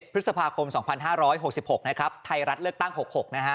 พฤษภาคมสองพันห้าร้อยหกสิบหกนะครับไทยรัฐเลือกตั้งหกหกนะฮะ